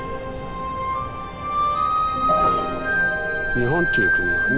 日本っていう国はね